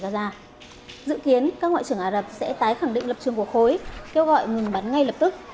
giữ kiến các ngoại trưởng ả rập sẽ tái khẳng định lập trường cuộc hối kêu gọi ngừng bắn ngay lập tức